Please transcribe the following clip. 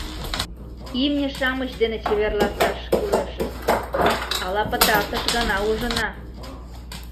— Имне-шамыч дене чеверласаш кӱлешыс... ала пытартыш гана ужына.